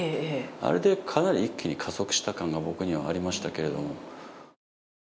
あれでかなり一気に加速した感が僕はありましたけれども。